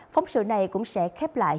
phóng sự này cũng sẽ khép lại